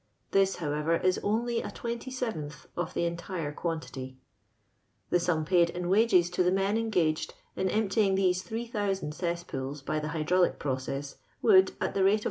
This, howt ver, is only a twriity scveiith of the Mitiro quantity. Tin Sinn paid in wages to the men engaged in emptying these JIOOO cesspools by the hy draulic i)rooess would, at tlie rato of 2*.